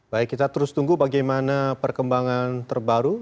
baik kita terus tunggu bagaimana perkembangan terbaru